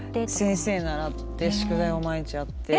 先生に習って宿題を毎日やってとか。